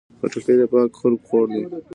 خټکی د پاکو خلکو خوړ دی.